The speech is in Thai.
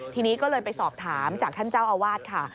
ทีนี้ก็เลยไปสอบถามจากท่านเจ้าอาวาสค่ะ